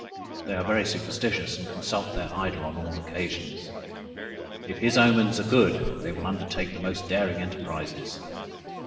They are very superstitious, and consult their idol on all occasions. If his omens are good, they will undertake the most daring enterprises.